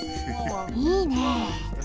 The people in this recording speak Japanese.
いいね。